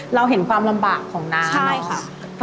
เราเห็นความลำบากของน้าเนาะ